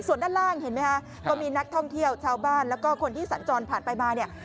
ส่วนด้านล่างเห็นไหมคะก็มีนักท่องเที่ยวชาวบ้านแล้วก็คนที่สัญจรผ่านไปมาเนี่ย